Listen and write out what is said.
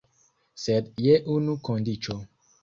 Sed je unu kondiĉo.